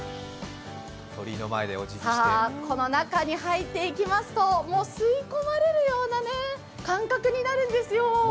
この中に入っていきますと、もう吸い込まれるような感覚になるんですよ。